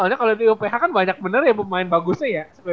soalnya kalo di oph kan banyak bener ya yang main bagusnya ya